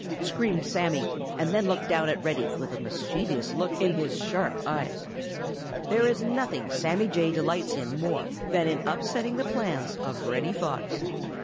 screamed Sammy, and then looked down at Reddy with a mischievous look in his sharp eyes. There is nothing Sammy Jay delights in more than in upsetting the plans of Reddy Fox.